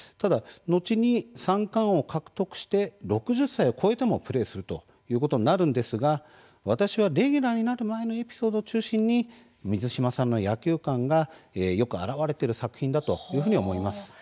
後に三冠王を獲得して６０歳を超えてもプレーするということになるんですが私はレギュラーになる前のエピソードを中心に水島さんの野球観がよく表れている作品だと思います。